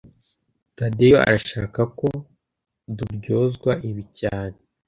Tadeyo arashaka ko duryozwa ibi cyane